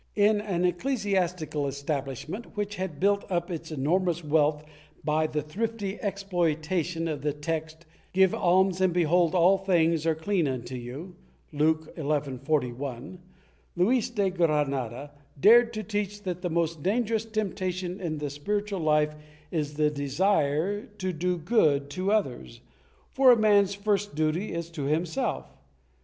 * In an ecclesiastical establishment, which had built up its enormous wealth by the thrifty exploitation of the text "Give alms and behold all things are clean unto you" (Luke, xi, 41), Luis de Granada dared to teach that the most dangerous temptation in the spiritual life is the desire to do good to others, for a man's first duty is to himself.